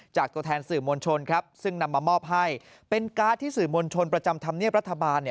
ตัวแทนสื่อมวลชนซึ่งนำมามอบให้เป็นการ์ดที่สื่อมวลชนประจำธรรมเนียบรัฐบาล